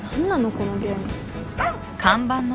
このゲーム。